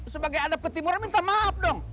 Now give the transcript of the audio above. sebagai adat petimur minta maaf dong